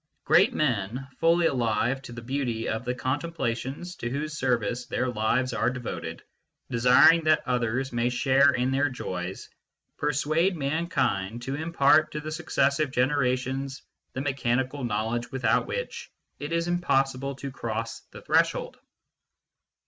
Great men, fully alive to the beauty of the contemplations to whose service their lives are devoted, desiring that others may share in their joys, persuade mankind to impart to the successive generations the mechanical knowledge with out which it is impossible to cross the threshold.